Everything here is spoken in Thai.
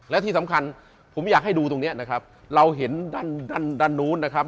และที่สำคัญผมอยากให้ดูตรงนี้นะครับเราเห็นด้านด้านนู้นนะครับ